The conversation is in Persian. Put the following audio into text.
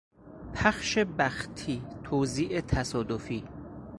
پخش بختی، توزیع تصادفی